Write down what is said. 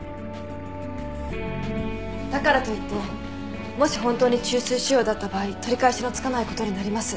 だからといってもし本当に虫垂腫瘍だった場合取り返しのつかないことになります。